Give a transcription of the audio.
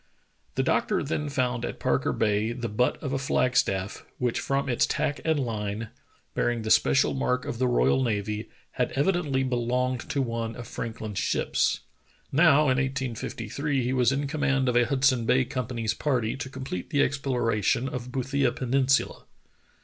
The doctor then found at Parker Bay the butt of a flag staff, which from its tack and line, bearing the spe cial mark of the royal navy, had evidently belonged to one of Franklin's ships. Now, in 1853, he was in com mand of a Hudson Bay Company's party to complete the exploration of Boothia Peninsula.